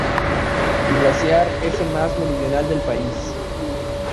Su glaciar es el más meridional del país.